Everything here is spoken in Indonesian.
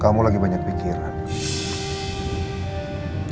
kamu lagi banyak pikiran